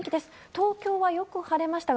東京はよく晴れましたが